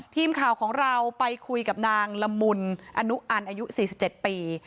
ทีมข่าวของเราไปคุยกับนางละมุนอนุอันอายุ๔๗ปี